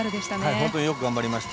本当によく頑張りました。